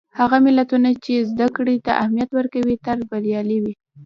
هغه ملتونه چې زدهکړې ته اهمیت ورکوي، تل بریالي وي.